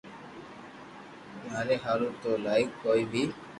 ماري ھارون تو لائق ڪوئي ني